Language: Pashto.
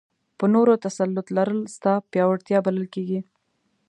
په نورو تسلط لرل ستا پیاوړتیا بلل کېږي.